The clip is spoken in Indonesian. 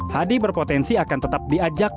hadi berpotensi akan tetap diajak